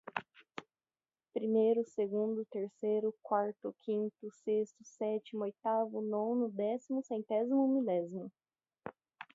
primeiro, segundo, terceiro, quarto, quinto, sexto, sétimo, oitavo, nono, décimo, centésimo, milésimo.